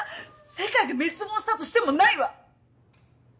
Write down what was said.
世界が滅亡したとしてもないわ！